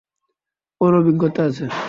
ওর অভিজ্ঞতা আছে।